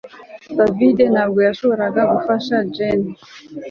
David ntabwo yashoboraga gufasha Jane